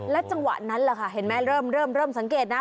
จังหวะนั้นแหละค่ะเห็นไหมเริ่มสังเกตนะ